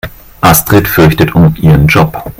Astrid fürchtet um ihren Job.